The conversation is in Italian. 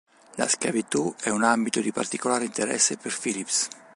La schiavitù è un ambito di particolare interesse per Phillips.